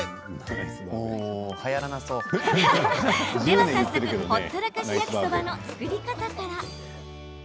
では早速ほったらかし焼きそばの作り方から。